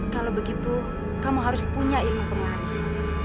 kalau begitu kamu harus punya ilmu pengawas